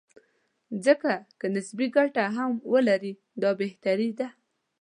ځکه که نسبي ګټه هم ولري، دا بهتري ده.